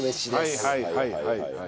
はいはいはいはい。